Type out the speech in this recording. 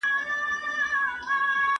زده کړه د هر انسان بنسټیز او طبیعي حق دی.